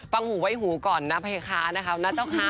ปังหูไว้หูก่อนนะเพคะแนะเจ้าค้า